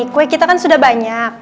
kue kita kan sudah banyak